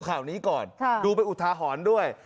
ข่าวนี้ก่อนดูไปอุทาหรณ์ด้วย